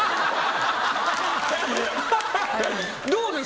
どうですか？